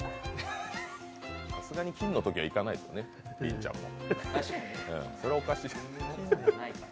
さすがにきんのときはいかないですよね、りんちゃんも。